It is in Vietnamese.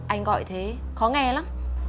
anh gọi thế khó nghe lắm